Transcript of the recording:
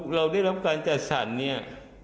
เราได้รับการจัดสรรเนี่ย